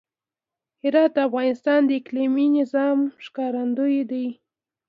هرات د افغانستان د اقلیمي نظام ښکارندوی دی.